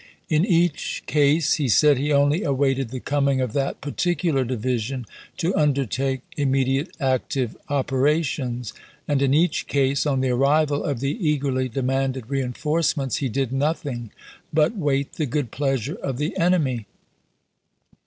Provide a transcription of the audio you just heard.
In each case he said he only awaited the coming of that particular division to undertake immediate active operations ; and in each case, on the arrival of the eagerly demanded reenf orcements, he did nothing but wait the good pleasure of the enemy.